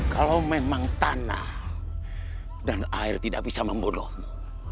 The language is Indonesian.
kalau memang tanah dan air tidak bisa membunuhmu